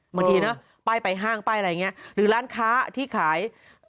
บางทีนะป้ายไปห้างป้ายอะไรอย่างนี้หรือร้านค้าที่ขาย